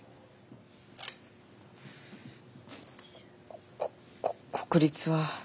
こここ国立は。